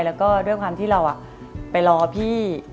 แล้วก็ด้วยความที่เราไปรอพี่